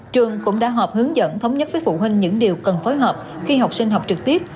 trường cũng đã họp hướng dẫn thống nhất với phụ huynh những điều cần phối hợp khi học sinh học trực tiếp